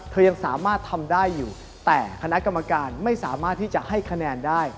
ยังสามารถทำได้อยู่แต่คณะกรรมการไม่สามารถที่จะให้คะแนนได้